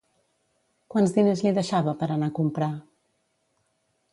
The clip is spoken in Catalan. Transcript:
Quants diners li deixava per anar a comprar?